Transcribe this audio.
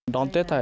đón tết tại